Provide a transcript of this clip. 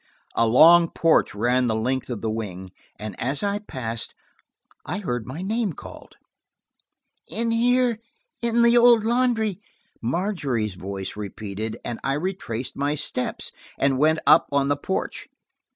A long porch ran the length of the wing, and as I passed I heard my name called. "In here in the old laundry," Margery's voice repeated, and I retraced my steps and went up on the porch.